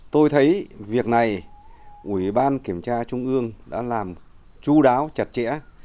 tôi thấy việc này ủy ban kiểm tra trung ương đã làm chú đáo chặt chẽ